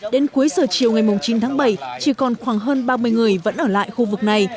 đến cuối giờ chiều ngày chín tháng bảy chỉ còn khoảng hơn ba mươi người vẫn ở lại khu vực này